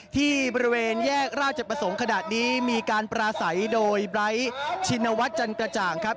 ที่บริเวณแยกราชประสงค์ขณะนี้มีการปราศัยโดยไบร์ทชินวัฒน์จันกระจ่างครับ